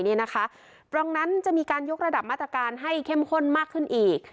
เพราะฉะนั้นจะมีการยกระดับมาตรการให้เข้มข้นมากขึ้นอีก